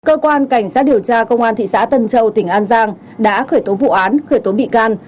cơ quan cảnh sát điều tra công an thị xã tân châu tỉnh an giang đã khởi tố vụ án khởi tố bị can